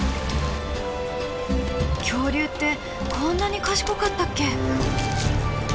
恐竜ってこんなに賢かったっけ？